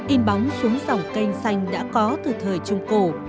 in bóng xuống dòng canh xanh đã có từ thời trung cổ